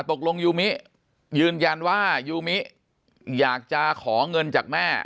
ตกลงยูมิยืนยันว่ายูมิอยากจะขอเงินจากแม่